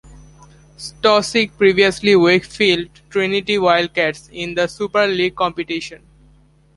Stosic previously Wakefield Trinity Wildcats in the Super League competition.